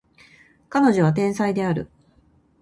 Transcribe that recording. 彼女は天才である